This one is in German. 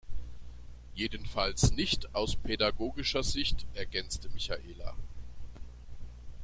Jedenfalls nicht aus pädagogischer Sicht, ergänzte Michaela.